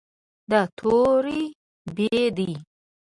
دا توری "ب" دی.